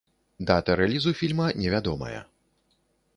Дата рэлізу фільма невядомая.